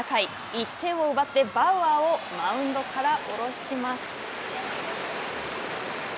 １点を奪ってバウアーをマウンドから降ろします。